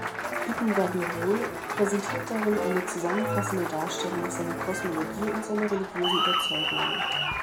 Ibn Gabirol präsentiert darin eine zusammenfassende Darstellung seiner Kosmologie und seiner religiösen Überzeugungen.